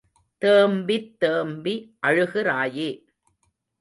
தேம்பித் தேம்பி அழுகிறாயே.